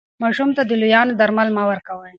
ماشوم ته د لویانو درمل مه ورکوئ.